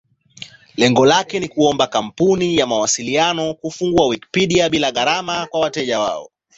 Lengo lake ni kuomba kampuni za mawasiliano kufungua Wikipedia bila gharama kwa wateja wao.